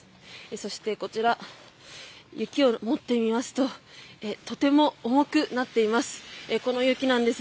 そして、こちら雪を持ってみますととても重くなっています。